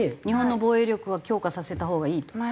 日本の防衛力は強化させたほうがいいと？